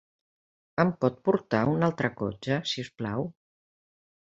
Em pot portar un altre cotxe, si us plau?